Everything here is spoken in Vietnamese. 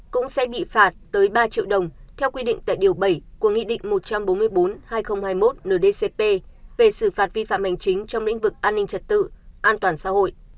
cũng sẽ bị phạt tới ba triệu đồng theo quy định tại điều bảy của nghị định một trăm bốn mươi bốn hai nghìn hai mươi một ndcp về xử phạt vi phạm hành chính trong lĩnh vực an ninh trật tự an toàn xã hội